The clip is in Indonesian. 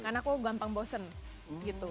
karena aku gampang bosen gitu